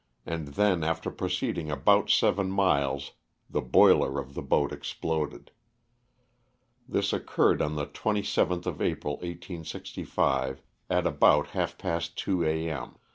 and then after proceeding about seven miles the boiler of the boat exploded. This occurred on the 27th of April, 1865, at about half past two A. m.